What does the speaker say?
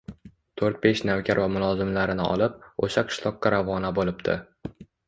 To‘rt-besh navkar va mulozimlarini olib, o‘sha qishloqqa ravona bo‘libdi